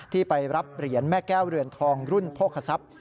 ที่ไปรับเหรียญแม่แก้วเรือนทองรุ่นโภคศัพย์